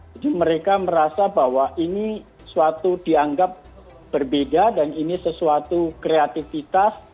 jadi mereka merasa bahwa ini suatu dianggap berbeda dan ini sesuatu kreativitas